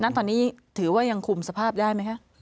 ตอนนี้ถือว่ายังคุมสภาพได้ไหมคะ